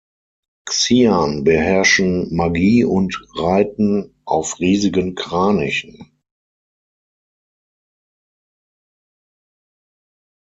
Xian beherrschen Magie und reiten auf riesigen Kranichen.